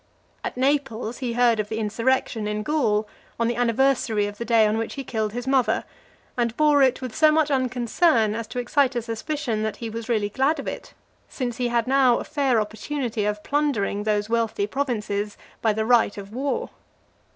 At Naples he heard of the insurrection in Gaul, on the anniversary of the day on which he killed his mother, and bore it with so much unconcern, as to excite a suspicion that he was really glad of it, since he had now a fair opportunity of plundering those wealthy provinces by the right of war.